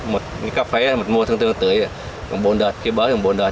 một cà phê mua thương tươi tươi cây bơ thì bốn đợt